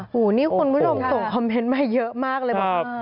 โหนี่คุณวิลองส่งคอมเมนต์มาเยอะมากเลยนะครับ